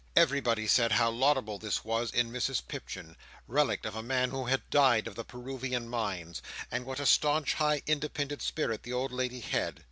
Everybody said how laudable this was in Mrs Pipchin, relict of a man who had died of the Peruvian mines; and what a staunch, high, independent spirit the old lady had.